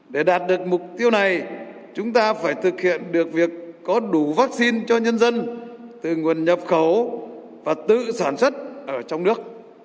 để đạt được mục tiêu này chúng ta phải thực hiện được việc có đủ vaccine cho nhân dân từ nguồn nhập khẩu và tự sản xuất ở trong nước